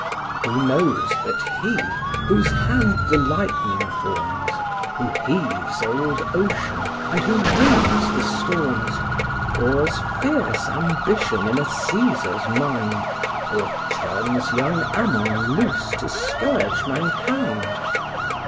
Who knows but He, whose hand the lightning forms, Who heaves old ocean, and who wings the storms; Pours fierce ambition in a Cæsar's mind, Or turns young Ammon loose to scourge mankind?